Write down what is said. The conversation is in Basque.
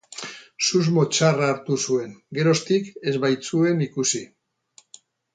Susmo txarra hartu zuen, geroztik ez baitzituen ikusi.